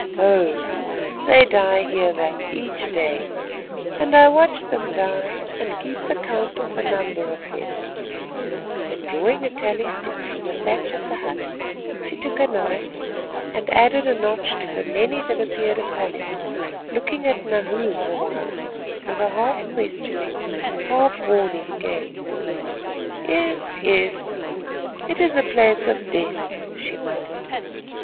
Oh! they die here thus each day, and I watch them die and keep the count of the number of them," and drawing a tally stick from the thatch of the hut, she took a knife and added a notch to the many that appeared upon it, looking at Nahoon the while with a half questioning, half warning gaze. "Yes, yes, it is a place of death," she muttered.